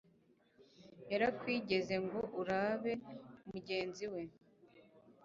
Yarakwigeze ngo urabe mugenzi we.